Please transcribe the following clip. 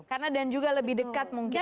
karena dan juga lebih dekat mungkin ya